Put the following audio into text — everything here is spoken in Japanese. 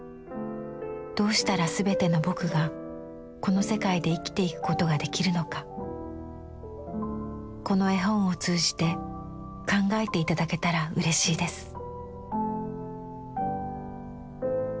どうしたらすべての『ぼく』がこの世界で生きていくことができるのかこの絵本をつうじて考えていただけたらうれしいです」。